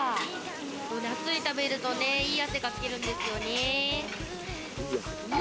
夏に食べるとね、いい汗かけるんですよね。